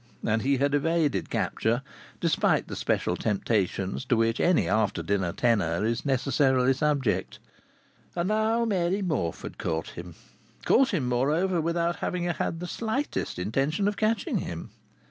And he had evaded capture, despite the special temptations to which an after dinner tenor is necessarily subject. And now Mary Morfe had caught him caught him, moreover, without having had the slightest intention of catching him.